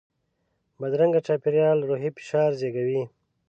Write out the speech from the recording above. بدرنګه چاپېریال روحي فشار زیږوي